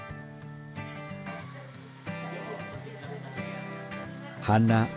terdapat beberapa tanggung jawab yang membuat mereka terpaksa menangkapnya